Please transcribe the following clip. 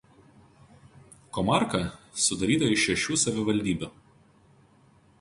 Komarka sudaryta iš šešių savivaldybių.